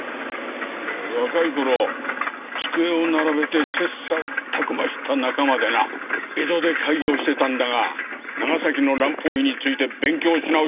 若い頃机を並べて切磋琢磨した仲間でな江戸で開業してたんだが長崎の蘭方医について勉強し直した男だ。